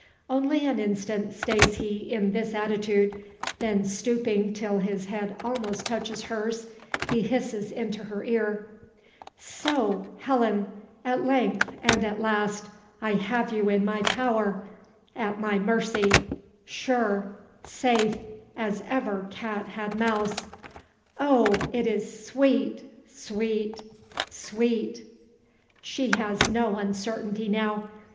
Only an instant stays he in this attitude; then stooping till his head almost touches hers, he hisses into her ear: "So, Helen, at length and at last, I have you in my power, at my mercy, sure, safe, as ever cat had mouse! Oh! it is sweet sweet sweet!" She has no uncertainty now.